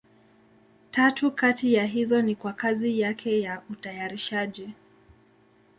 Tatu kati ya hizo ni kwa kazi yake ya utayarishaji.